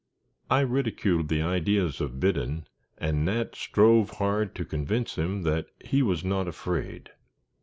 I ridiculed the ideas of Biddon, and Nat strove hard to convince him that he was not afraid.